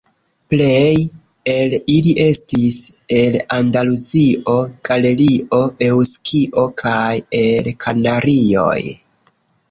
Plej el ili estis el Andaluzio, Galegio, Eŭskio kaj el Kanarioj.